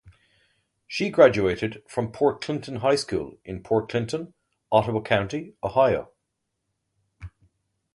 She graduated from Port Clinton High School in Port Clinton, Ottawa County, Ohio.